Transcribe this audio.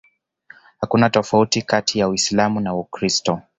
Hakuna tofauti kati ya Uislam na Ukristo